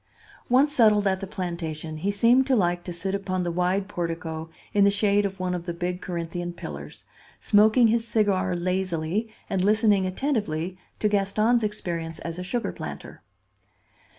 Once settled at the plantation he seemed to like to sit upon the wide portico in the shade of one of the big Corinthian pillars, smoking his cigar lazily and listening attentively to Gaston's experience as a sugar planter.